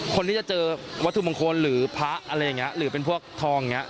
คนที่จะเจอวัตถุบังคลหรือพระหรือพวกทองอย่างนี้